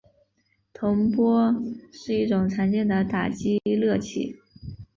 铜钹是一种常见的打击乐器。